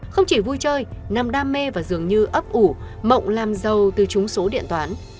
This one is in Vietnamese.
không chỉ vui chơi nằm đam mê và dường như ấp ủ mộng làm giàu từ chúng số điện toán